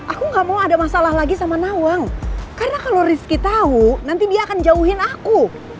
aku gak mau ada masalah lagi sama nawang karena kalau rizky tahu nanti dia akan jauhin aku